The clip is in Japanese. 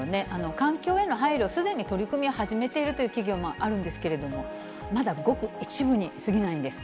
環境への配慮、すでに取り組みを始めているという企業もあるんですけれども、まだごく一部にすぎないんです。